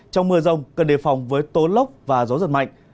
trong mưa rông cần đề phòng với tố lốc và gió giật mạnh